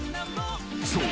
［そう。